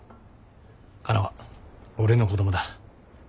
カナは俺の子どもだ。